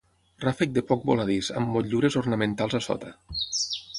Ràfec de poc voladís, amb motllures ornamentals a sota.